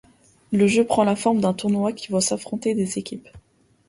Le jeu prend la forme d'un tournoi qui voit s'affronter des équipes.